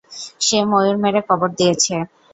সে ময়ূর মেরে কবর দিয়েছে।